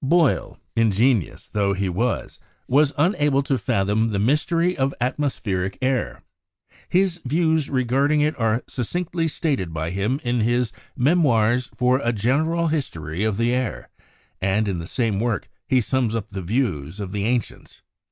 Boyle, ingenious though ho was, was unable to fathom the mystery of atmospheric air. His views regarding it are succinctly stated by him in his 'Memoirs for a General History of the Air,' and in the same work he sums up the views of the ancients.